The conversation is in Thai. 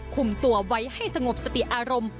คุมตัวไว้ให้สงบสติอารมณ์